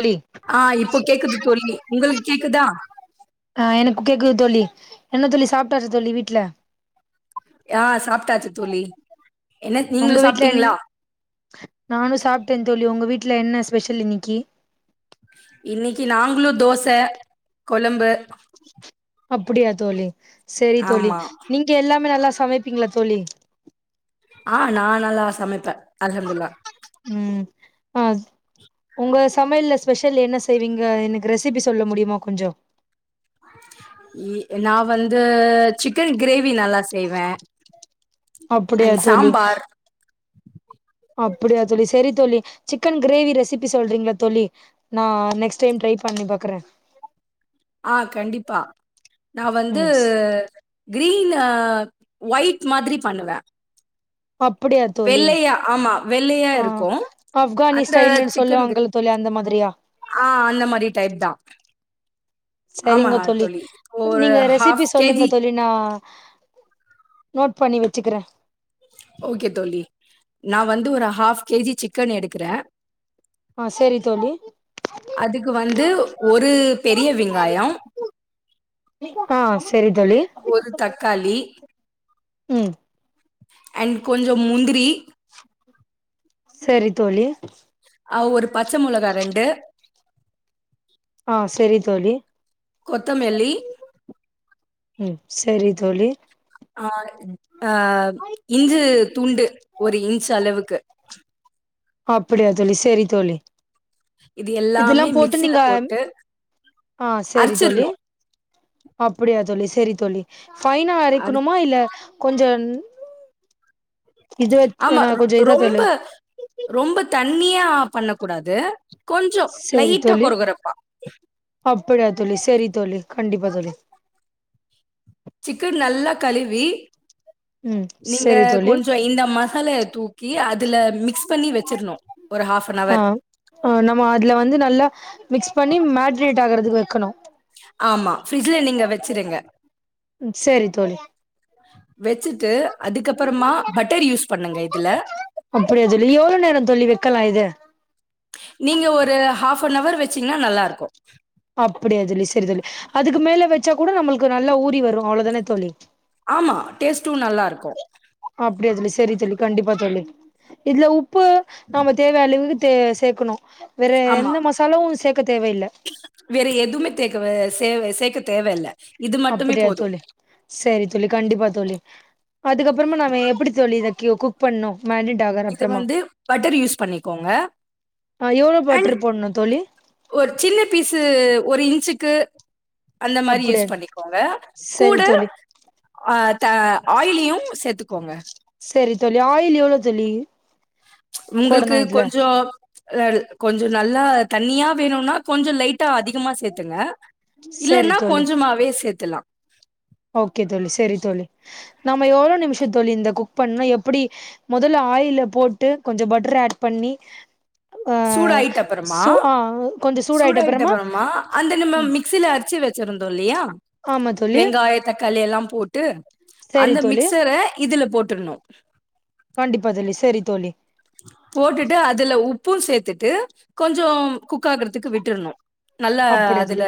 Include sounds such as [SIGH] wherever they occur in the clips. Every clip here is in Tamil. தோழி ஆஹ இப்போ கேக்குது தோழி உங்களுக்கு கேக்குதா. ஆ எனக்கு கேக்குது தோழி என்ன தோழி சாப்டாச்சா தோழி வீட்டு்ல. ஆஹ சாப்பிட்டாச்சு தோழி. என்ன உங்க நீங்களும் வீட்டுல என் சாப்ட்டீங்களா? நானும் சாப்பிட்ட தோ. தோழி உங்க வீட்டுல என்ன ஸ்பெஷல் இன்னைக்கு. இன்னைக்கு நாங்களும் தோச கொழம்பு. டா. அப்படியா தோழி. சேரி தோழி நீங்க எல்லாமே நல்லா. சமைப்பீங்களா தோழி. ஆஹ நா நல்லா சமைப்பே. அதுலுல்லா. ம் ஆ உங்க சமையல ஸ்பெஷல் என்ன செய்வீங்க எனக்கு ரெசிபி சொல்ல முடியுமா கொஞ்சம். நா வந்து சிக்கன் கிரேவி நல்லா செய்வே. அப்படியா தோழி. அப்படியா தோழி சேரி தோழி சிக்கன் கிரேவி ரெசிபி சொல்றீங்களா தோழி நா நெக்ஸ்ட் டைம் ட்ரை பண்ணி பாக்கற. ஆஹ் கண்டிப்பா. நா ம் வந்து கிரீன்லா. ஒயிட் மாதிரி பண்ணுவ. அப்படியா தோழி வெள்ளையா ஆமா வெள்ளையா ஆ இருக்கும் ஆப்கானி அந்த ஸ்டைல்ன்னு சிக்கன் கிர சொல்லுவாங்கல்ல தோழி அந்த மாதிரியா ஆஹ் அந்த மாதிரி டைப் தா சரிங்க தோழி ஒரு நீங்க ரெசிபி சொல்லுங்க கேஜி தோழி நா நோட் பண்ணி வச்சுக்கறே ஓகே தோழி நா வந்து ஒரு ஆப் கே ஜி சிக்கன் எடுக்கற ஆ சரி தோழி அதுக்கு வந்து ஒரு பெரிய வெங்காயம் ஆ சரி தோழி ஒரு தக்காளி உம் அண்ட் கொஞ்ச முந்திரி சரி தோழி அவ் ஒரு பச்சை மிளகா ரெண்டு ஆஹ் சேரி தோழி கொத்தமெல்லி ம் செரி தோழி ஆ ஆ இஞ்சு தூண்டு ஒரு இன்ச் அளவுக்கு அப்டியா தோழி செரி தோழி இது இதுல்லா எல்லாமே போட்டு மிக்ஸில நீங்க போட்டு ஆ செரி தோழி அரைச்சிரணும். அப்டியா தோழி சரி தோழி ஃபைனா அர அரைக்கணுமா இல்ல கொஞ்சன் ஆமா ரொ ரொம்ப தோழி ரொம்ப தனி தண்ணியா பண்ணக்கூடாது கொஞ்சோ சரி லைட்டா கொற கொறப்பா படியா தோழி செரி தோழி கண்டிப்பா தோழி சிக்கன் நல்லா கழுவி ம் நீங்க சரி தோழி கொஞ்சம் இந்த மசாலாய தூக்கி அதுல மிக்ஸ் பண்ணி வச்சிருணு ஒரு ஆ ஹாஃபனவர் ஆ நம்ம அதுல வந்து நல்லா மிக்ஸ் பண்ணி மேட்ரியேட் ஆகுறதுக்கு வைக்கணு ஆமா பிரிட்ஜில நீங்க வச்சிருங்க ம் சரி தோழி வெச்சுட்டு அதுக்கப்றமா பட்டர் யூஸ் பண்ணுங்க இதுல அப்படியா தோழி எவ்ளோ நேரோ தோழி வைக்கலா இது நீங்க ஒரு ஹாஃப் ஹாஃபனவர் வச்சீங்கனா நல்லாருக்கு அப்டியா தோழி சரி தோழி அதுக்கு மேல வச்சா கூட நம்ளுக்கு நல்லா ஊரி வரு அவ்ளதானே தோழி ஆமா டேஸ்ட் அப்டியா தோழி செரி தோழி கண்டிப்பா தோழி இதுல உப்பு பு நம தேவ அளவுக்குத் தே சேக்கணு வேற ஆமா. எந்த மசாலாவூ சேக்க தேவயில்ல வேற எதுவுமே தேக்கவ சேவ சேக்க தேவ இல்ல அப்டியா தோழி செரி தோழி கண்டிபா தோழி அதுக்கப்றம நாம எப்டி தோழி இத கெ குக் பண்ணூ இது வந்து பட்டர் யூஸ் பண்ணிக்கோங்க ஆ எவ்ளோ அண்ட் பட்டர் போட்ணு தோழி ஒரு சின்ன பீஸு ஒரு இன்ச்சுக் கு அந்த மாரி அப்டியா யூஸ் பண்ணிக்கோங்க சரி கூட தோழி ஆ க ஆயிலியூ சேத்துக்கோங்க செரி தோழி ஆயில் எவ்ளோ தோழி உங்கள்க்கு போடணு இதுல கொஞ்சோ அதாவ்து [UNINTELLIGIBLE] கொஞ்சோ நல்லா தண்ணியா வேணூனா கொஞ்சோ லைட் டா அதிகமா சேத்துங்க சரி இல்லன்னா தோழி கொஞ்சமாவே சேத் துல்லா ஓகே தோழி செரி தோழி நாம எவ்ளோ நிமிஷோ தோழி இந்த குக் பண்ணூ எப்டி மொதல்ல ஆயில போட்டு கொஞ்சோ பட்டர ஆட் பண்ணி ஆ சூடு ஆயிட்டப்றமா சூ ஆ கொஞ்சோ சூடாயிட்ட அப்புறமா சூடாயிட்டப்றமா அந்த நம்ம ம் மிக்சில அரிச்சு வச் வச்சிருந்தோ இல்லியா ஆமா தோழி வெங்காயம் தக்காளி எல்லாம் போட்டு சேரி அந்த தோழி மிக்சர இதுல போட்டுருணூ கண்டிபா தோழி செரி தோழி போட்டுட்டு அதுல உப் உப்புசேத்துட்டு கொஞ்சோம் குக் ஆகுறதுக்கு விட்டுற்னோ நல்லா அப்படியா அதுல தோழி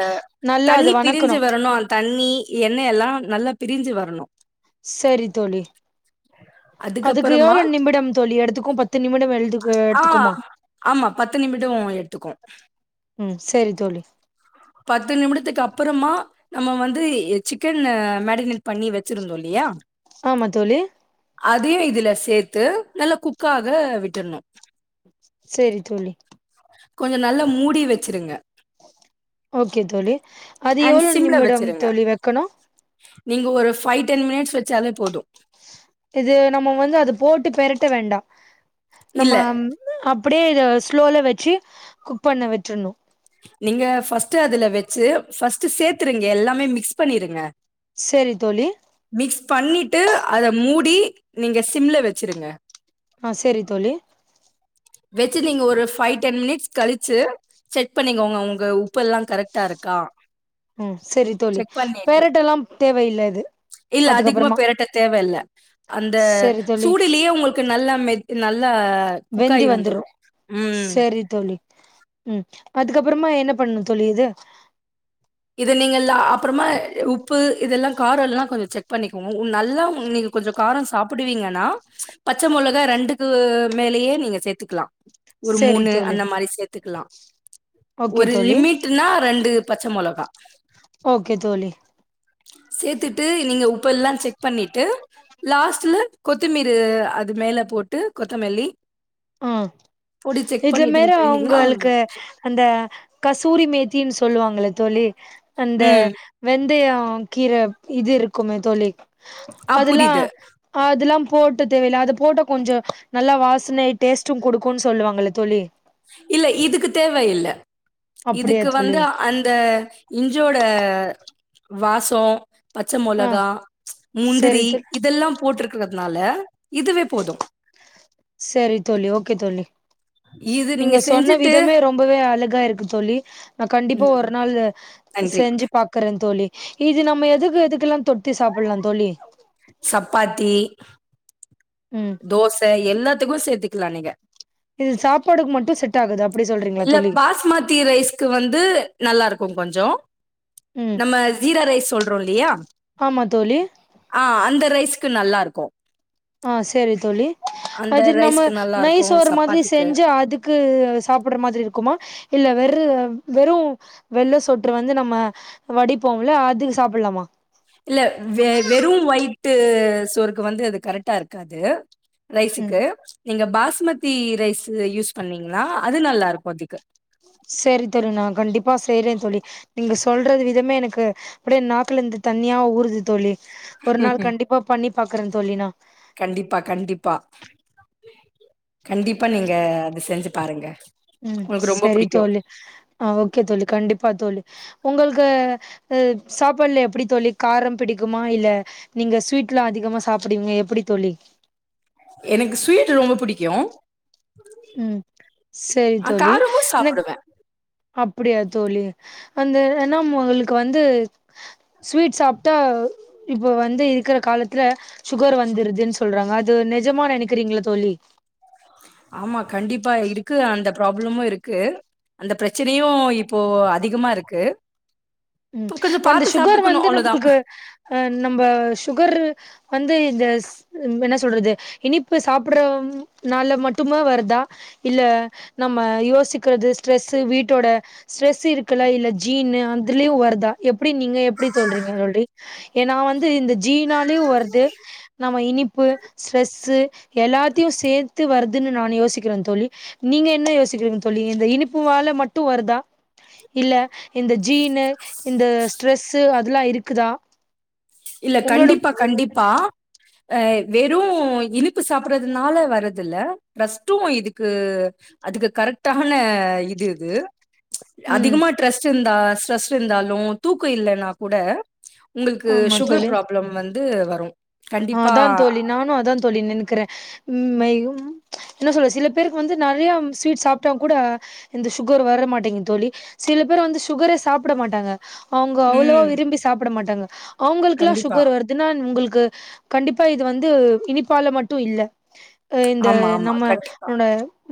நல்லா அத தண்ணி வணக்கணு பிரிஞ்சு வரனோ அந்த தண்ணி எண்ணைல்லா நல்லா பிரிஞ்சு வரனோ செரி தோழி அதுக்கு அதுக்கப்பறமா எவ்ளோ நிமிடம் தோழி எடுத்துக்கோ பத்து நிமிடம் எழுது அ ஆ எடுத்துக்குமா ஆமா பத்து நிமிடம் எடுத்துக்கோ ம் சேரி தோழி பத்து நிமிடத்துக்கப்றமா நம்ம வந்து எ சிக்கன்ல மேதிரினேட் பண்ணி வச்சிருந்தோல்லியா ஆமா தோழி அதியு இதுல சேத்து நல்லா குக்காக விட் டுர்னோ செரி தோழி கொஞ்சோ நல்லா மூடி வச்சிருங்க ஓகே தோழி அது அண்ட் எவ்ளோ சிம்ல நிமிடம் வச்சிருங்க தோழி வெக்கனு நீங்க ஒரு ஃபைவ் டென் மினிட்ஸ் வச்சாலே போது இது நம்ம வந்து அது போட்டு பெரட்ட வேண்டா நம்ம இல்ல அப் அப்டியே இத ஸ்லோல வெச்சி குக் பண்ண விட்ருன்னோ நீங்க ஃபர்ஸ்ட்டு அதுல வெச்சி ஃபர்ஸ்ட்டு சேத்துருங்க எல்லாமே மிக்ஸ் பண்ணிருங்க செரி தோழி மிக்ஸ் பண்ணிட்டு அத மூடி நீங்க சிம்ல வெச்சிருங்க ஆஹ் செரி தோழி வெச்சிட்டு நீங்க ஒரு ஃபைவ் டென் மினிட்ஸ் கழிச்சி செக் பண்ணிக்கோங்க ஒங்க உப்பெல்லா கரெக்டா இருக்கா ம் செரி தோழி செக் பண்ணிட்டு பெரட்டெல்லா தேவையில்ல இது இல்ல அதிகமா அதுக்கப்பறமா பெரட்ட தேவையில்ல அந்த செரி தோழி சூடுலயே ஒங்ளுக்கு நல்லா மெத் நல்லா வெந்தி வந்துரு ம் செரி தோழி உம் அதுக்கப்றமா என்ன பண்ணு தோழி இது இது நீங்க லா அப்றமா உப்பு இதெல்லா காரொல்லா கொஞ்ச செக் பண்ணிக்கோங்க உ நல்லா உ நீங்க கொஞ்சோ காரோ சாப்புடுவீங்கன்னா பச்ச மொளகா ரெண்டுக்கு மேலேயே நீங்க சேத்துக்லா ஒரு செரி மூணு தோழி அந்த மாரி சேத் துக்லா ஓகே ஒரு தோழி லிமிட்னா ரெண்டு பச்சமொளக் அ ஓகே தோழி சேத்துட்டு நீங்க உப்பெல்லா செக் பண்ணிட்டு லாஸ்ட்ல கொத்திமீரு அது மேலே போட்டு கொத்தமல்லி ஆ பொடி செக் இதுல பண்ணிட்டு மேற பண்ணிங்கன்னா அவுங்களுக்கு அந்த கசூரி மேத்தின்னு சொல்லுவாங்கள தோழி அந்த ம் வெந்தயோ ஆ கீர இது இருக்குமே தோழி ஆ அதெல்லா புரியுது ஆதுல்லா போட்டு தெவைல அது போட்ட கொஞ்சோ நல்லா வாச்னை டேஸ்ட்டு குடுக்குன்னு சொல்லுவாங்கள தோழி இல்ல இதுக்கு தேவ இல்ல அப்டியா இதுக்கு தோழி வந்து அந்த இஞ்சோட வாசோ பச்ச ஆ மொளகா செரி முந்திரி தோழி இதெல்லா போட்ருக் இருக்கறதுனால இதுவே போது செரி தோழி ஓகே தோழி இது நீங்க சொன்ன செஞ்சுட்டு விதமே ரொம்பவே அழகா இருக்கு தோழி நா கண்டிப்பா ஒரு ம் நாள் நன்றி செஞ்சு பாக்கறே தோழி இது நம்ம எதுக்கு எதுக்கெல்லா தொ த்தி சாப்பிட்லா தோழி சப்பாத்தி ம் தோச எல்லாத்துக்கு சேத்தி குல்ல நீங்க இது சாப்பாடுக்கு மட்டு செட் ஆகுது அப்டி சொல்றீங்களா இல்ல தோழி பாஸ்மதி ரைஸ்க்கு வந்து நல்லா இருக்கு கொஞ்சோ ம் நம்ம சீரா ரைஸ் சொல் ரோலியா ஆமா தோழி ரைஸ்க்கு நல்லா இருக்கொ ஆ செரி தோழி அது நம்ம ரைஸ்க்கு நல்லா இருக்கு நைஸ்ஓர மாரி சப்பாத்திக்கு செஞ்சு அதுக்கு சாப்டற மாதிரி இருக்குமா இல்ல வெறு ம் வெறு வெள்ள சோற்று வந்து நம்ம வடிப்போம்ல அதுக்கு சாப்லாமா இல்ல வெ வெறும் வயிட்டு சோருக்கு வந்து அது கரெக்டா இருக்காது ம் ரைசுக்கு நீங்க பாஸ்மதி ரைசு யூஸ் பண்ணீங்கன்னா அது நல்லா இருக்கும் அதுக்கு சேரி தோரி நா கண்டிப்பா செய்றே தோழி நீங்க சொல்ற விதமே எனக்கு அப்யே நாக்ல இருந்து தண்ணியா ஊருது தோழி ஒரு நாள் ம்ஹ்ம். கண்டிப்பா பண்ணிப் பாக்றே தோழி நா கண்டிப்பா கண்டிப்பா கண்டிப்பா நீங்க அது செஞ்சு பாருங்க உம் உங்களுக்கு ரொம்ப செரி புடிக்கு தோழி ஆஹ் ஓகே தோழி கண்டிப்பா தோழி உங்களுக்கு அஹ் சாப்பாடுல எப்டி தோழி காரம் பிடிக்குமா இல்ல நீங்க ஸ்வீட்லா அதிகமா சாப்பிடுவீங்க எப்டி தோழி எனக்கு ஸ்வீட் ரொம்ப புடிக்கும் உம் செரி ஆ தோழி காரமு எனக் சாப்டுவே அப்டியா தோழி அந்த என்னா உங்களுக்கு வந்து ஸ்வீட் சாப்டா இப்ப வந்து இருக்ற காலத்துல சுகர் வந்துருதுன் சொல்றாங்க அது நெஜமா நெனைக்கிறீங்களா தோழி ஆமா கண்டிப்பா இருக்கு அந்த ப்ராப்ளமு இருக்கு அந்த பிரச்சனையு இப்போ அதிகமா இருக்கு உம் இப்ப கொஞ்சோ அந்த பாத்து சுகர் சாப்ட்டுக்கணு வந்து அவ்ளோதா நம்மளுக்கு அஹ் நம்ம சுகர்ரு வந்து இந்த என்ன சொல்றது இனிப்பு சாப்பிடறனால மட்டுமா வருதா இல்ல நம்ம யோசிக்கிறது ஸ்ட்ரெசு வீட்டோட ஸ்ட்ரெசு இருக்குல்ல இல்ல ஜீன் அந் துலயும் வருதா எப்டி நீங்க எப்படி சொல்றீங்க தோரி ஏ நா வந்து இந்த ஜீனாலயும் வருது நம்ம இனிப்பு ஸ்ட்ரெஸ்சு எல்லாத்தையும் சேத்து வருதுன்னு நானு யோசிக்கிற தோழி நீங்க என்ன யோசிக்கிறீங்க தோழி இந்த இனிப்பு வாழ மட்டு வருதா இல்ல இந்த ஜீனு இந்த ஸ்ட்ரெஸ்சு அதெல்லாம் இருக்குதா இல்ல உங்களோட கண்டிப்பா கண்டிப்பா அஹ் வெறும் இனிப்பு சாப்பறனால வருதில்ல ஸ்ட் ரெஸ்டு இதுக்கு அதுக்கு கரெக்டான இது இது ம் அதிகமா ட்ரெஸ்ட் இருந்தா ஸ்ரெஸ்ட் இருந்தாலு தூக்கோ இல்லைன்னா கூட உங்ளுக்கு ஆமா சு சுகர் தோழி ப்ராப்ளம் வந் து வரு அதா தோழி நானு அதா தோழி நெனுக்கற ம் ஏ ம் என்ன சொல்றது சில பேருக்கு வந்து நெறையா ஸ்வீட் சாப்ட்டா கூட இந்த சுகர் வர மாட்டேங்கிது தோழி சில பேரு வந்து சுகரே சாப்பட மாட்டாங்க அவுங்க அவ்ளோ ம். விரும்பி சாப்பட மாட்டாங்க அவுங்களுக்குல்லா கண்டிப்பா. சுகர் வர்துன்னா உங்களுக் கு கண்டிப்பா இது வந்து இனிப்பால மட்டு இல்ல எ இந்த ஆமா, ஆமா. கண்டிப்பா. நம்மளோட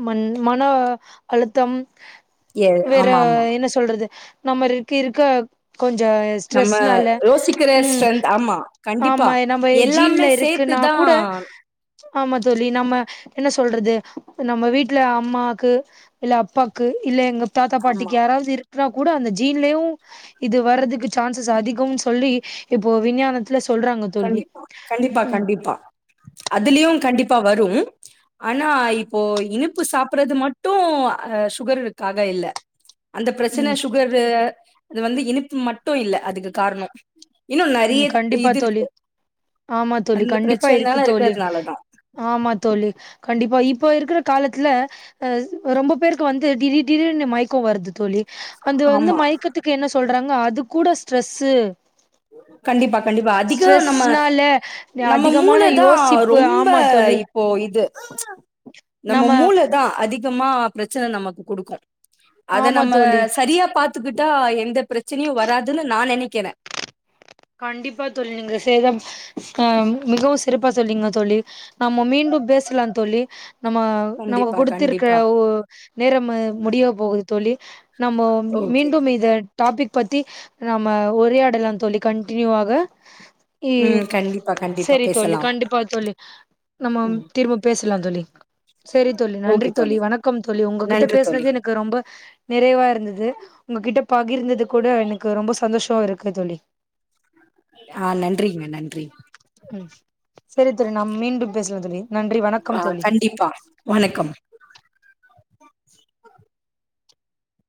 மன் மனோ அலுத்தம் எ வேற ஆமா, ஆமா. என்ன சொல்றது நம்ம இருக்கிருக்க நம்ம யோசிக்கிற ம் ஸ்ட்ரென்த் ஆமா கண்டிப்பா ஆமா நம்ம எல் ஜீன்ல இருக்குன்னா கூட ஆமா தோழி நம்ம என்ன சொல்றது நம்ம வீட்ல அம்மாக்கு இல்ல அப்பாக்கு இல்ல எங்க தாத்தா ஆமா. பாட்டிக்கு யாராவ்து இரு ட்ரா கூட அந்த ஜீன்ல்யு இது வற்றதுக்கு சான்சஸ் அதிகவ்ன் சொல்லி இப்போ விஞ்ஞானத் துல சொல்றாங்க தோழி கண்டிப்பா. கண்டிப்பா ம் கண்டிப்பா அதுலியு கண் டிப்பா வரு ஆனா இப்போ இனிப்பு சாப்பட்றது மட்டு ஆ சுகருக்காக இல்ல அந்த பிரச்சன ம் சுகரு அது வந்து இனிப் பு மட் டு இல்ல அதுக்கு காரணோ இன்னு நறிய ம் கண்டிப்பா இது இருக் தோழி ஆமா தோழி கண்டிப்பா இருக்கு தோழி இருக்கிறதுனாலதா ஆமா தோழி கண் டிப்ப இப்ப இருக்கற காலத்ல ஆ ரொம்ப பேருக்கு வந்து டிடீர் டிடீர்னு மயக்கோ வருது தோழி அந்து வந்து ஆமா மயக்கத்துக்கு என்ன சொல்றாங்க அது கூட ஸ்ட்ரஸ்ஸு கண்டிப்பா கண்டிப்பா அதிகோ நம்ம நம்ம மூள அதிகமான தா யோசிப்பு ரொம்ப ஆமா தோழி இப்போ இது நம்ம மூள தா அதி கமா பிரச்சன நமக்கு குடுக்கு அத ஆமா நம்ம தோழி சரியா பாத் துக்கிட்டா எந்த பிரச்சினையும் வராதுன்னு நா நெனைக்கிற கண்டிப்பா தோழி நீங்க செய்த ஹாம் மிகவு சிறப்பா சொல்லீங்க தோழி நம்ம மீண்டு பேசலா தோழி நம்ம நமக்கு கண்டிப்பா கொடுத்திருக்கிற கண்டிப்பா ஒ நேரமு முடிய போகுது தோழி நம்ம ஓகே மீண்டும் இத டாபிக் பத்தி நம்ம உரையாடலாம் தோழி கன்டினியூவாக ஏய் ம் கண்டிப்பா கண்டிப்பா செரி தோழி பேசலாம் கண்டிப்பா தோழி நம்ம ம் திரும்ப பேசலாம் தோழி செரி தோழி நன்றி தோழி வணக்கம் தோழி ஒங்ககிட்ட நன்றி தோழி பேசுனது எனக்கு ரொம்ப நிறைவா இருந்தது உங்ககிட்ட பகிர்ந்தது கூட எனக்கு ரொம்ப சந்தோஷமா இருக்கு தோழி ஆ நன்றிங்க நன்றி உம் சரி தோழி நம் மீண்டும் பேசலாம் தோழி நன்றி வணக்கம் ஆஹ் தோழி கண்டிப்பா வணக்கம்